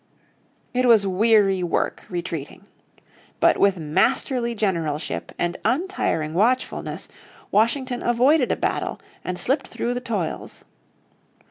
It was weary work retreating. But with masterly generalship, and untiring watchfulness, Washington avoided a battle, and slipped through the toils.